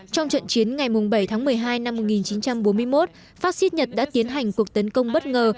trong trận chiến ngày bảy tháng một mươi hai năm một nghìn chín trăm bốn mươi một fascist nhật đã tiến hành cuộc tấn công bất ngờ